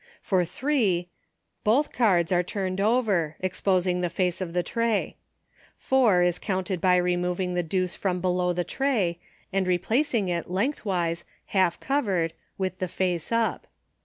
For three, both cards are turned over, exposing the face of the tray. Four is counted by removing the deuce from below the tray, and replacing it, lengthwise, half covered, with the face up.